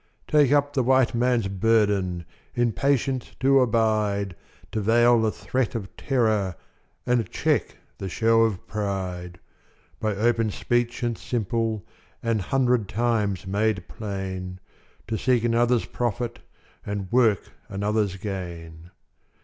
Take up the White Man's burden In patience to abide, To veil the threat of terror And check the show of pride; By open speech and simple, An hundred times made plain, To seek another's profit, And work another's gain.